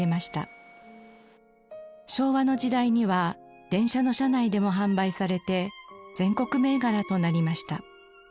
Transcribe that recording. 昭和の時代には電車の車内でも販売されて全国銘柄となりました。